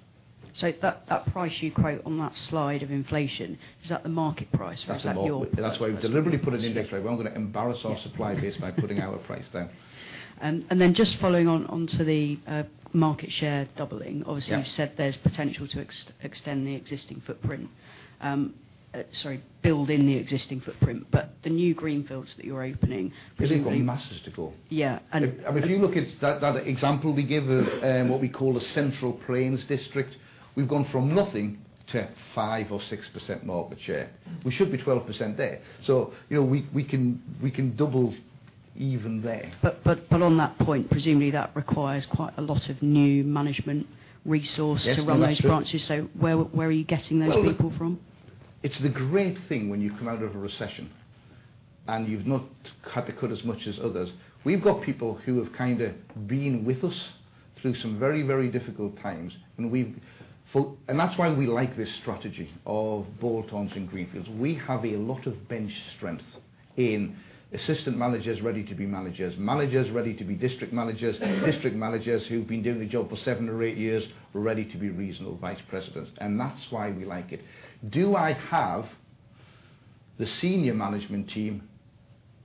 that price you quote on that slide of inflation, is that the market price? Or is that. That's why we deliberately put an index where we're not going to embarrass our supply base by putting our price there. just following on to the market share doubling. Yeah. Obviously, you've said there's potential to extend the existing footprint. Sorry, build in the existing footprint. the new greenfields that you're opening. We've got masses to go. Yeah. If you look at that example we give of what we call a Central Plains district, we've gone from nothing to 5% or 6% market share. We should be 12% there. We can double even there. On that point, presumably that requires quite a lot of new management resource. Yes, that's true to run those branches. Where are you getting those people from? It's the great thing when you come out of a recession and you've not had to cut as much as others. We've got people who have kind of been with us through some very difficult times, and that's why we like this strategy of bolt-ons and greenfields. We have a lot of bench strength in assistant managers ready to be managers ready to be district managers, and district managers who've been doing the job for seven or eight years, ready to be regional vice presidents. That's why we like it. Do I have the senior management team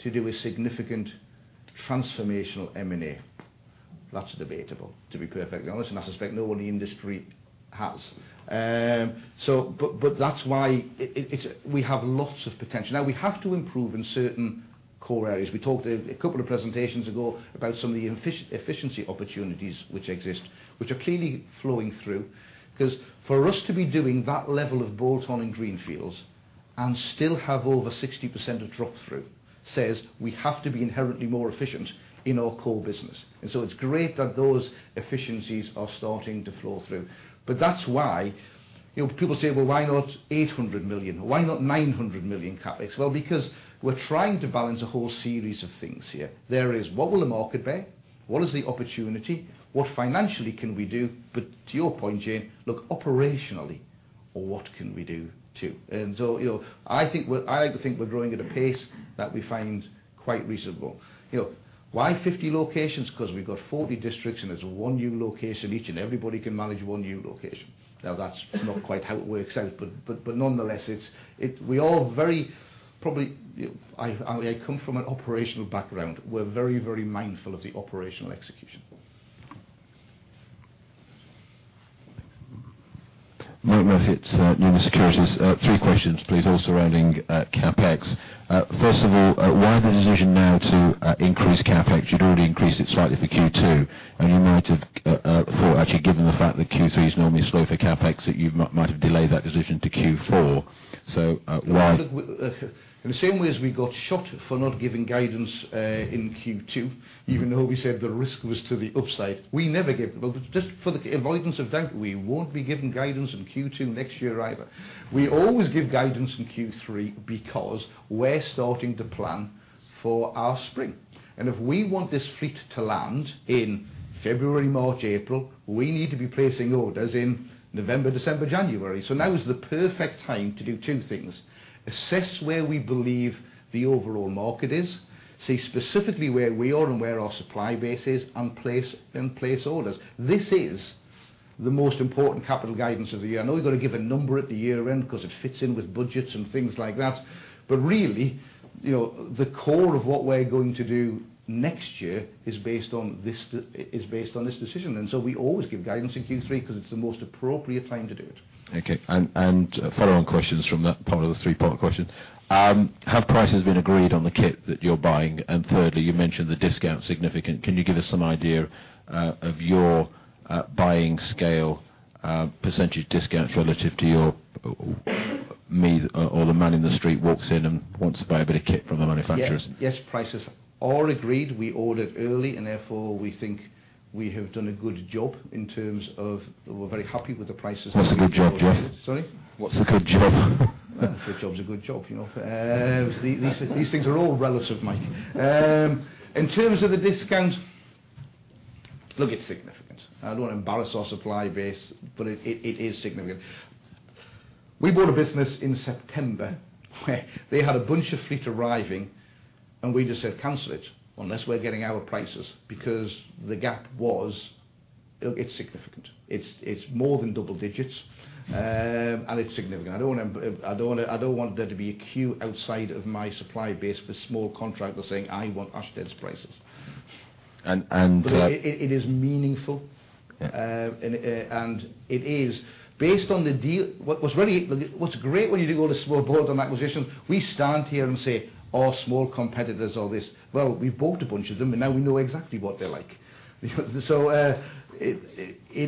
to do a significant transformational M&A? That's debatable, to be perfectly honest, and I suspect no one in the industry has. That's why we have lots of potential. We have to improve in certain core areas. We talked a couple of presentations ago about some of the efficiency opportunities which exist, which are clearly flowing through. Because for us to be doing that level of bolt-on and greenfields and still have over 60% of drop-through says we have to be inherently more efficient in our core business. It's great that those efficiencies are starting to flow through. That's why people say, "Well, why not 800 million? Why not 900 million CapEx?" Well, because we're trying to balance a whole series of things here. There is, what will the market bear? What is the opportunity? What financially can we do? To your point, Jane, look operationally at what can we do, too. I like to think we're growing at a pace that we find quite reasonable. Why 50 locations? We've got 40 districts and there's one new location each, and everybody can manage one new location. That's not quite how it works out, but nonetheless, I come from an operational background. We're very mindful of the operational execution. Mike Murphy from Numis Securities. Three questions, please, all surrounding CapEx. First of all, why the decision now to increase CapEx? You'd already increased it slightly for Q2. You might have thought, actually, given the fact that Q3 is normally slow for CapEx, that you might have delayed that decision to Q4. Why? In the same way as we got shot for not giving guidance in Q2, even though we said the risk was to the upside. Just for the avoidance of doubt, we won't be giving guidance in Q2 next year either. We always give guidance in Q3 because we're starting to plan for our spring. If we want this fleet to land in February, March, April, we need to be placing orders in November, December, January. Now is the perfect time to do two things, assess where we believe the overall market is, see specifically where we are and where our supply base is, and place orders. This is the most important capital guidance of the year. I know we've got to give a number at the year-end because it fits in with budgets and things like that. Really, the core of what we're going to do next year is based on this decision. We always give guidance in Q3 because it's the most appropriate time to do it. Okay. Follow-on questions from that part of the three-part question. Have prices been agreed on the kit that you're buying? Thirdly, you mentioned the discount is significant. Can you give us some idea of your buying scale percentage discount relative to me or the man in the street who walks in and wants to buy a bit of kit from the manufacturers? Yes. Prices are agreed. We ordered early and therefore we think we have done a good job in terms of we're very happy with the prices. What's a good job, Geoff? Sorry? What's a good job? A good job's a good job. These things are all relative, Mike. In terms of the discount, look, it's significant. I don't want to embarrass our supply base, but it is significant. We bought a business in September where they had a bunch of fleet arriving, and we just said, "Cancel it unless we're getting our prices." The gap was Look, it's significant. It's more than double digits, and it's significant. I don't want there to be a queue outside of my supply base for small contractors saying, "I want Ashtead's prices. And- It is meaningful. Yeah. It is based on the deal What's great when you do all the small bolt-on acquisitions, we stand here and say, "Oh, small competitors, all this." Well, we bought a bunch of them, and now we know exactly what they're like. It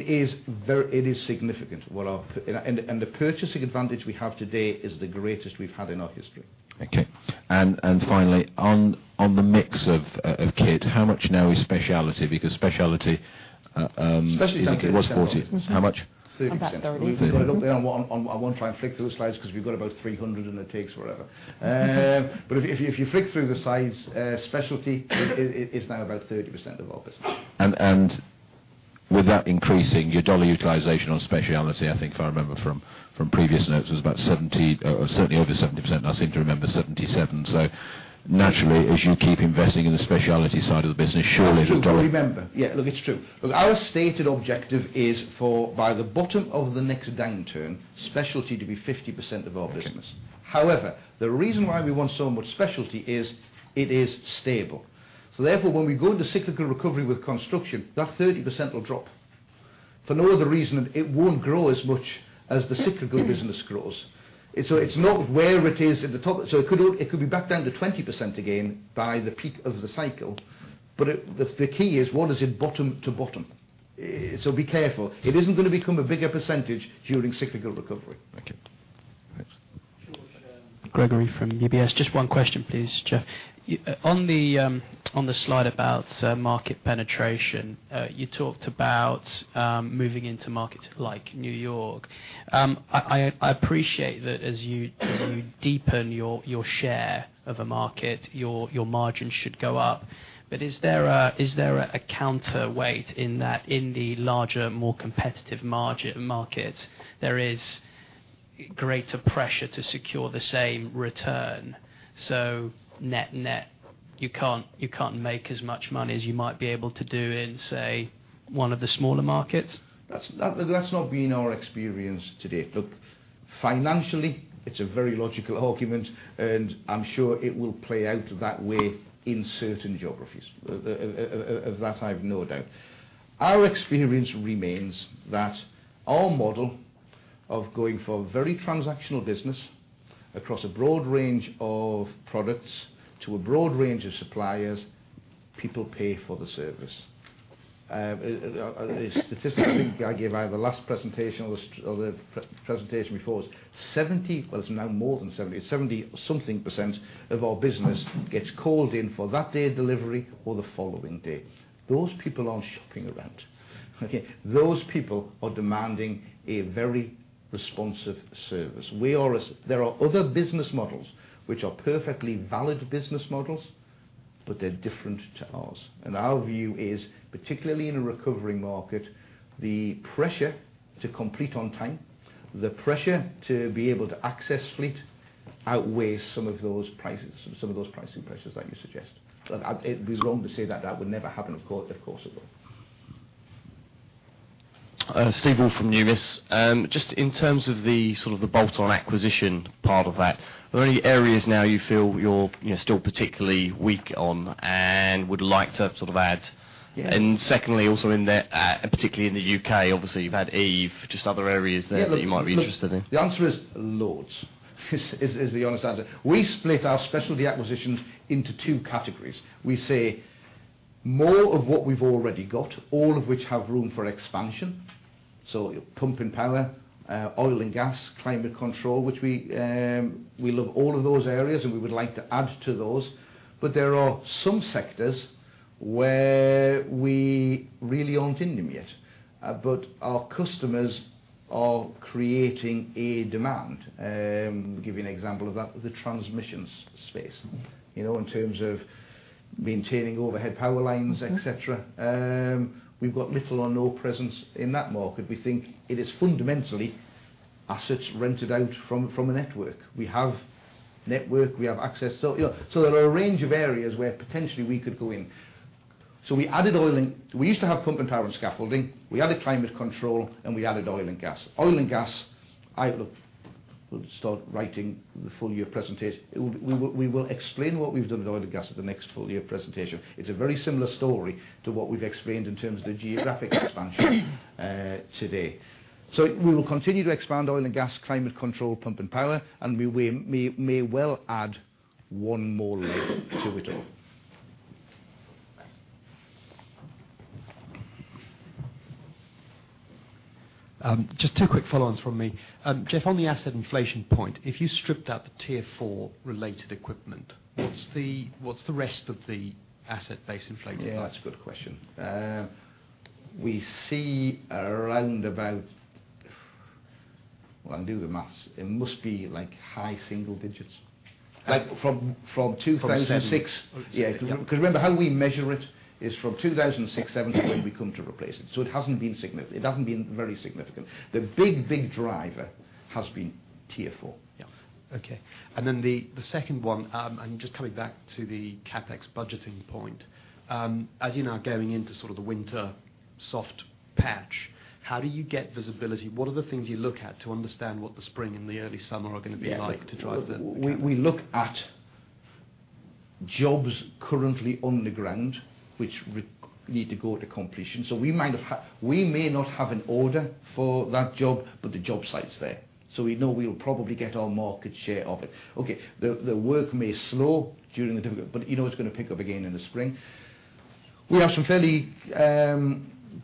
is significant. The purchasing advantage we have today is the greatest we've had in our history. Okay. Finally, on the mix of kit, how much now is specialty? Specialty is up to- it was 40. How much? 30%. About 30. We've got it up there on one I won't try and flick through the slides because we've got about 300, it takes forever. If you flick through the slides, Specialty is now about 30% of our business. With that increasing, your dollar utilization on specialty, I think if I remember from previous notes, was about certainly over 70%, and I seem to remember 77. Naturally, as you keep investing in the specialty side of the business, surely your dollar True. Do you remember? Look, it's true. Look, our stated objective is for by the bottom of the next downturn, specialty to be 50% of our business. Okay. The reason why we want so much specialty is it is stable. Therefore, when we go into cyclical recovery with construction, that 30% will drop for no other reason than it won't grow as much as the cyclical business grows. It's not where it is at the top. It could be back down to 20% again by the peak of the cycle. The key is what is it bottom to bottom. Be careful. It isn't going to become a bigger percentage during cyclical recovery. Thank you. Thanks. George Gregory from UBS. Just one question, please, Geoff. On the slide about market penetration, you talked about moving into markets like New York. I appreciate that as you deepen your share of a market, your margins should go up. Is there a counterweight in that in the larger, more competitive markets, there is greater pressure to secure the same return? Net-net, you can't make as much money as you might be able to do in, say, one of the smaller markets. That's not been our experience to date. Look, financially, it's a very logical argument, and I'm sure it will play out that way in certain geographies. Of that, I have no doubt. Our experience remains that our model of going for a very transactional business across a broad range of products to a broad range of suppliers, people pay for the service. The statistic I think I gave either last presentation or the presentation before, 70. It's now more than 70. It's 70-something% of our business gets called in for that day delivery or the following day. Those people aren't shopping around. Okay? Those people are demanding a very responsive service. There are other business models which are perfectly valid business models, but they're different to ours. Our view is, particularly in a recovering market, the pressure to complete on time, the pressure to be able to access fleet outweighs some of those pricing pressures that you suggest. It'd be wrong to say that that would never happen. Of course, it will. Steve Hall from Numis. Just in terms of the bolt-on acquisition part of that, are there any areas now you feel you're still particularly weak on and would like to add? Yeah. Secondly, also in there, particularly in the U.K., obviously you've had Eve. Just other areas there. Yeah. Look. That you might be interested in. The answer is loads, is the honest answer. We split our specialty acquisitions into two categories. We say more of what we've already got, all of which have room for expansion. Pump & Power, Oil and Gas, Climate Control, which we love all of those areas, and we would like to add to those. There are some sectors where we really aren't in them yet. Our customers are creating a demand. I'll give you an example of that with the transmission space. In terms of maintaining overhead power lines, et cetera. We've got little or no presence in that market. We think it is fundamentally assets rented out from a network. We have network, we have access. There are a range of areas where potentially we could go in. We used to have Pump & Power and Scaffolding. We added Climate Control, and we added Oil and Gas. Oil and Gas, I will start writing the full year presentation. We will explain what we've done with Oil and Gas at the next full year presentation. It's a very similar story to what we've explained in terms of the geographic expansion today. We will continue to expand Oil and Gas, Climate Control, Pump & Power, and we may well add one more leg to it all. Thanks. Just two quick follow-ons from me. Geoff, on the asset inflation point, if you stripped out the Tier 4-related equipment, what's the rest of the asset base inflation? Yeah, that's a good question. We see around about Well, I can do the math. It must be high single digits. From 2006. From seven. Yeah. Remember, how we measure it is from 2006, 2007, to when we come to replace it. It hasn't been very significant. The big driver has been Tier 4. Yeah. Okay. The second one, coming back to the CapEx budgeting point. As you know, going into the winter soft patch, how do you get visibility? What are the things you look at to understand what the spring and the early summer are going to be like to drive the CapEx? We look at jobs currently on the ground which need to go to completion. We may not have an order for that job, but the job site's there. We know we'll probably get our market share of it. Okay, the work may slow during the winter, but you know it's going to pick up again in the spring. We have some fairly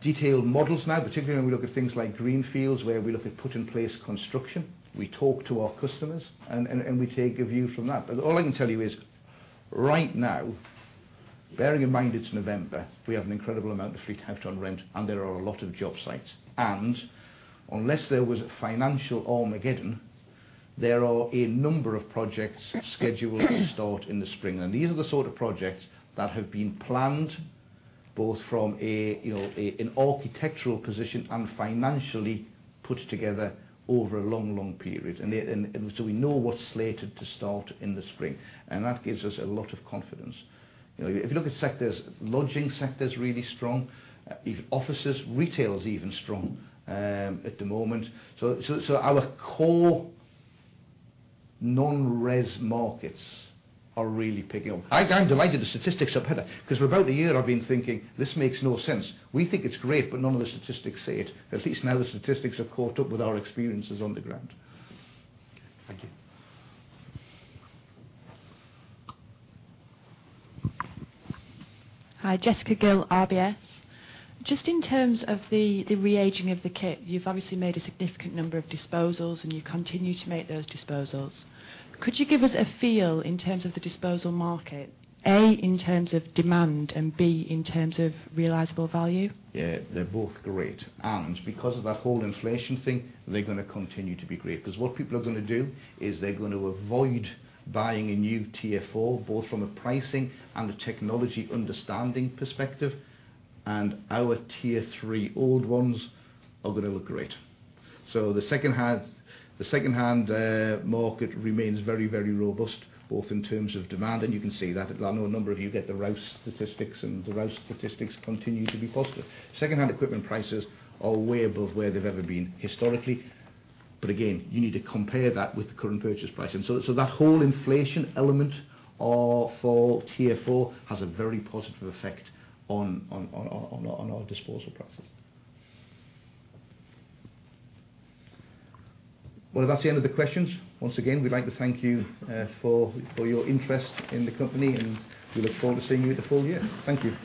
detailed models now, particularly when we look at things like Greenfields, where we look at Construction put in place. We talk to our customers, we take a view from that. All I can tell you is, right now, bearing in mind it's November, we have an incredible amount of fleet out on rent, and there are a lot of job sites. Unless there was a financial Armageddon, there are a number of projects scheduled to start in the spring. These are the sort of projects that have been planned both from an architectural position and financially put together over a long, long period. We know what's slated to start in the spring, that gives us a lot of confidence. If you look at sectors, lodging sector's really strong. Offices, retail is even strong at the moment. Our core Non-res markets are really picking up. I'm delighted the statistics have had that because for about a year I've been thinking, "This makes no sense." We think it's great, none of the statistics say it. At least now the statistics have caught up with our experiences on the ground. Okay. Thank you. Hi, Jessica Gill, RBS. In terms of the re-aging of the kit, you've obviously made a significant number of disposals, and you continue to make those disposals. Could you give us a feel in terms of the disposal market, A, in terms of demand, and B, in terms of realizable value? Yeah. They're both great. Because of that whole inflation thing, they're going to continue to be great. What people are going to do is they're going to avoid buying a new Tier 4, both from a pricing and a technology understanding perspective. Our Tier 3 old ones are going to look great. The second-hand market remains very, very robust, both in terms of demand, and you can see that. I know a number of you get the Rouse statistics, the Rouse statistics continue to be positive. Second-hand equipment prices are way above where they've ever been historically. Again, you need to compare that with the current purchase price. That whole inflation element for Tier 4 has a very positive effect on our disposal prices. If that's the end of the questions, once again, we'd like to thank you for your interest in the company, we look forward to seeing you at the full year. Thank you.